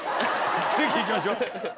次行きましょう。